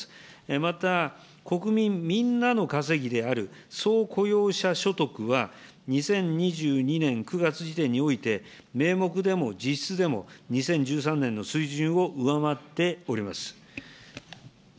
また、国民みんなの稼ぎである、総雇用者所得は２０２２年９月時点において、名目でも実質でも２０１３年の水準を上回っております。